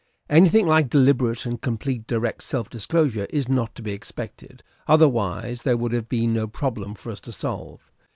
Anything like deliberate and complete direct self disclosure is not to be expected : otherwise there would have been no problem for us to solve.